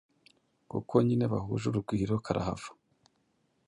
kuko nyine bahuje urugwiro karahava